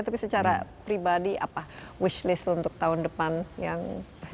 tapi secara pribadi apa wish list untuk tahun depan yang